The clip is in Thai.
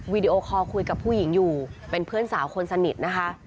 วิดีโอคอลคุยกับผู้หญิงอยู่เป็นเพื่อนสาวคนสนิทนะคะ